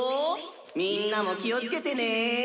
みんなも気をつけてね」。